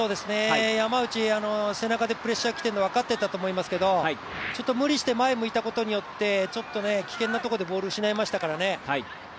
山内、背中でプレッシャーが来ているのは分かっていたと思いますけどちょっと無理して前を向いたことによってちょっと危険なところでボール失いましたからね。